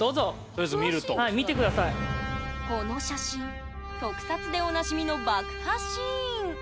この写真、特撮でおなじみの爆破シーン。